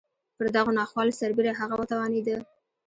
پر دغو ناخوالو سربېره هغه وتوانېده.